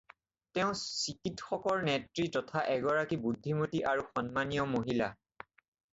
তেওঁ চিকিৎসকৰ নেত্ৰী তথা এগৰাকী বুদ্ধিমতী আৰু সন্মানীয় মহিলা।